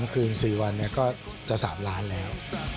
คืน๔วันก็จะ๓ล้านแล้ว